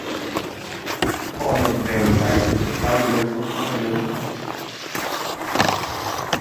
All of them died within five years of each other.